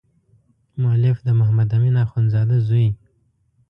مؤلف د محمد امین اخندزاده زوی.